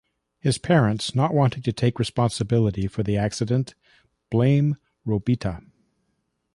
His parents, not wanting to take responsibility for the accident, blame Robita.